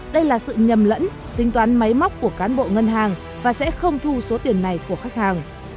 đây là sự nhầm lẫn tính toán máy móc của cán bộ ngân hàng và sẽ không thu số tiền này của khách hàng